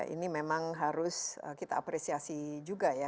ini memang harus kita apresiasi juga ya